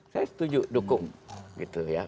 saya setuju dukung